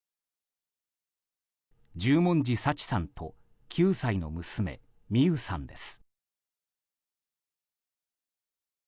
十文字抄知さんと９歳の娘・弥羽さんです。